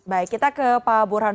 baik kita ke pak burhan